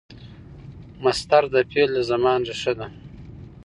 مصدر د فعل د زمان ریښه ده.